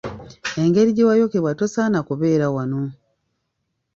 Engeri gye wayokebwa tosaana kubeera wano.